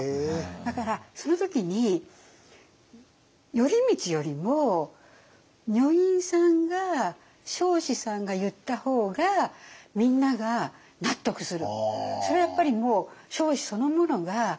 だからその時に頼通よりも女院さんが彰子さんが言った方がみんなが納得する。